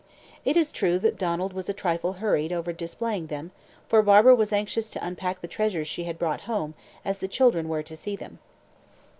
It is true that Donald was a trifle hurried over displaying them, for Barbara was as anxious to unpack the treasures she had brought home as the children were to see them.